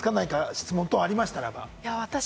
質問等ありましたら。